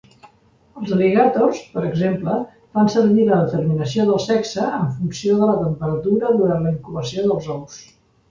Els al·ligàtors, per exemple, fan servir la determinació del sexe en funció de la temperatura durant la incubació dels ous.